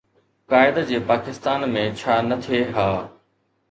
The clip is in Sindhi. قائد جي پاڪستان ۾ ڇا نه ٿئي ها؟